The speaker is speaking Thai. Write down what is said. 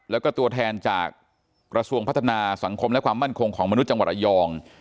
แล้วก็ตัวแทนจากกระทรวงพัฒนาสังคมและความมั่นคงของมนุษย์จังหวัดระยอง